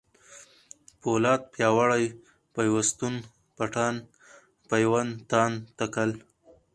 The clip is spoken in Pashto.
پولاد ، پیاوړی ، پيوستون ، پټان ، پېوند ، تاند ، تکل